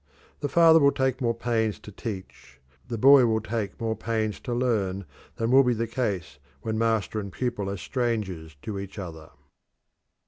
The father will take more pains to teach, the boy will take more pains to learn, than will be the case when master and pupil are strangers to each other.